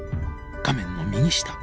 画面の右下。